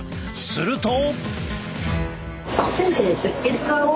すると。